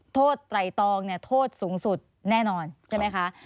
ไตรตองเนี่ยโทษสูงสุดแน่นอนใช่ไหมคะ